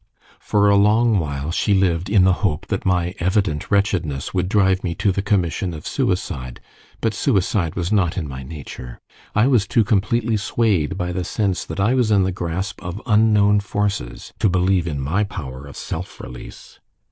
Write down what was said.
For a long while she lived in the hope that my evident wretchedness would drive me to the commission of suicide; but suicide was not in my nature. I was too completely swayed by the sense that I was in the grasp of unknown forces, to believe in my power of self release.